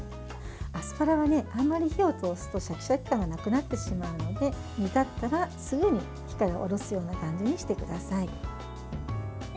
アスパラはあまり火を通すとシャキシャキ感がなくなってしまうので煮立ったらすぐに火から下ろすような感じにしてください。